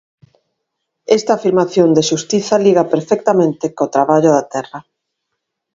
Esta afirmación de xustiza liga perfectamente co traballo da terra.